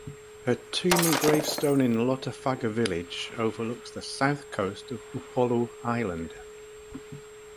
Her tomb and gravestone in Lotofaga village overlooks the south coast of Upolu island.